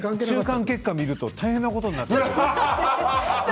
中間結果を見ると大変なことになってる。